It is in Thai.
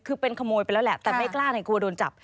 คือเป็นขโมยไปแล้วแหละแต่ไม่กล้าเนี่ยกลัวโดนจับ